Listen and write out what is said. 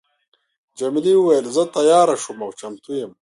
جميلې وويل: زه تیاره شوم او چمتو یم.